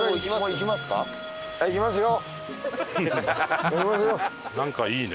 行きますよ！